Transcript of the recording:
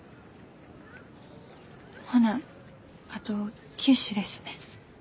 ほなあと９首ですね。